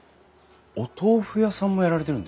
お豆腐屋さんもやられてるんですか？